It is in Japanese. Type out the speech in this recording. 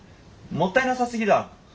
もったいなさすぎだ。